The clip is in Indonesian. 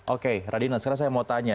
oke radina sekarang saya mau tanya